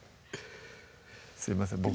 すいません僕